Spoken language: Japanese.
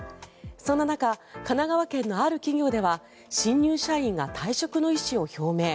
そんな中、神奈川県のある企業では新入社員が退職の意思を表明。